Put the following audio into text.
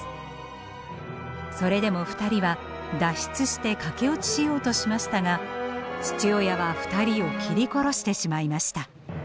それでも２人は脱出して駆け落ちしようとしましたが父親は２人を切り殺してしまいました。